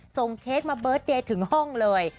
เค้กมาเบิร์ตเดย์ถึงห้องเลย